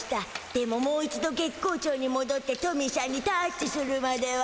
でももう一度月光町にもどってトミーしゃんにタッチするまでは。